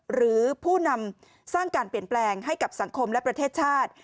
หรือผู้นำสร้างการเปลี่ยนแปลงให้กับสังคมและประเทศชาติ